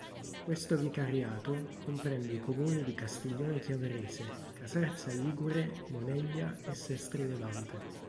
Questo vicariato comprende i comuni di Castiglione Chiavarese, Casarza Ligure, Moneglia e Sestri Levante.